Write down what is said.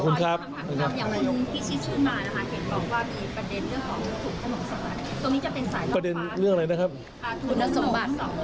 คุณสมบัติ๒ล้าน